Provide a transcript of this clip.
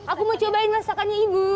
aku mau cobain masakannya ibu